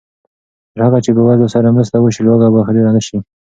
تر هغه چې بېوزلو سره مرسته وشي، لوږه به ډېره نه شي.